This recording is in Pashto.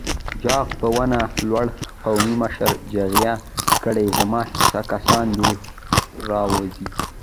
چاغ په ونه لوړ قومي مشر چيغه کړه! زما کسان دې راووځي!